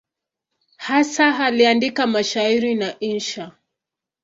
Hasa aliandika mashairi na insha.